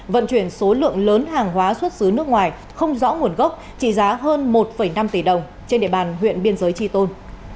vận chuyển số lượng lớn hàng hóa xuất xứ nước ngoài không rõ nguồn gốc trị giá hơn một năm tỷ đồng trên địa bàn huyện biên giới tri tôn